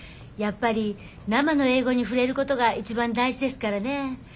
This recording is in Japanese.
やっぱり生の英語に触れることが一番大事ですからね。